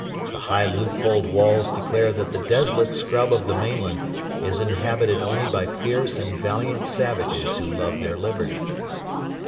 The high loopholed walls declare that the desolate scrub of the mainland is inhabited only by fierce and valiant savages who love their liberty.